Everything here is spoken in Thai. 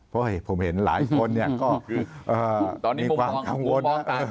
เพราะว่าผมเห็นหลายคนเนี่ยก็มีความทังควรนะ